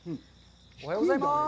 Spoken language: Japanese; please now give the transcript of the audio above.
おはようございます。